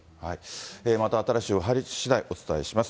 また新しい情報入りしだい、お伝えします。